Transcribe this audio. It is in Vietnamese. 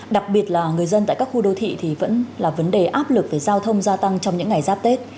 đặc biệt là người dân tại các khu đô thị thì vẫn là vấn đề áp lực về giao thông gia tăng trong những ngày giáp tết